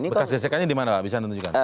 bekas gesekannya di mana pak bisa menunjukkan